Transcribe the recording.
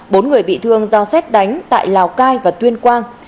bốn người bị thương do xét đánh tại lào cai và tuyên quang